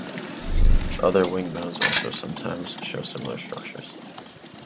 Other wing bones also sometimes show similar structures.